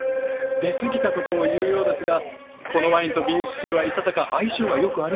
出過ぎたことを言うようですがこのワインとビーフシチューはいささか相性が良くありません。